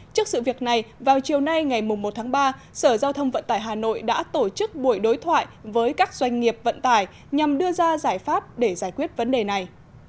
trước sự việc này vào chiều nay ngày một tháng ba sở giao thông vận tải hà nội đã tổ chức buổi đối thoại với các doanh nghiệp vận tải nhằm đưa ra giải pháp để giải quyết vấn đề này